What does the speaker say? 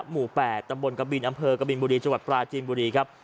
หมู่๘ตำบลกบินอำเภอกบินบุรีจังหวัดปราจีนบุรีครับ